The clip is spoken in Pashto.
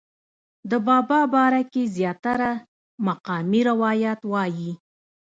د بابا باره کښې زيات تره مقامي روايات وائي